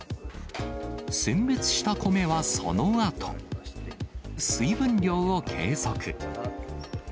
選別した米はそのあと水分量を計測。